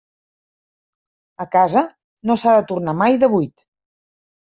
A casa, no s'ha de tornar mai de buit.